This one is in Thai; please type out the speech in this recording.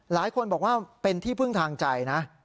หลายคนบอกว่าเป็นที่พึ่งทางใจนะ